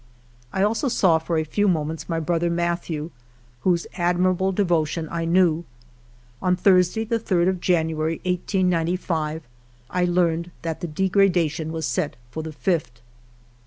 I also saw for a few moments my brother Mathieu, whose admirable devotion I knew. On Thursday, the 3d of January, 1895, I learned that the degradation was set for the 5th.